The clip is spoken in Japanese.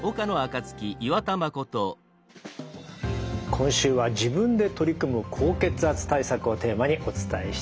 今週は自分で取り組む高血圧対策をテーマにお伝えしています。